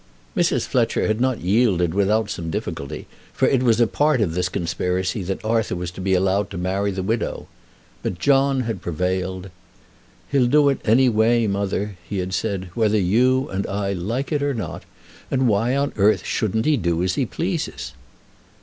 Mrs. Fletcher had not yielded without some difficulty, for it was a part of this conspiracy that Arthur was to be allowed to marry the widow. But John had prevailed. "He'll do it any way, mother," he had said, "whether you and I like it or not. And why on earth shouldn't he do as he pleases?"